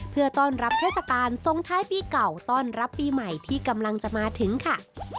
เพื่อต้อนรับเทศกาลทรงท้ายปีเก่าต้อนรับปีใหม่ที่กำลังจะมาถึงค่ะ